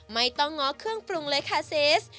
ไม่ต้องง้อเครื่องปรุงเลยค่ะซิส